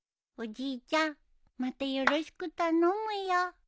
おじいちゃんまたよろしく頼むよ。